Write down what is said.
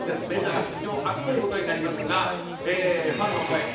メジャー史上初ということになりますがファンの声。